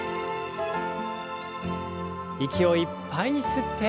息をいっぱいに吸って。